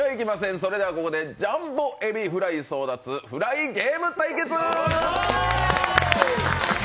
それではここで、ジャンボ海老フライ争奪フライゲーム対決！